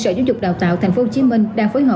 ủy ban nhân dân thành phố cũng đã có chỉ đạo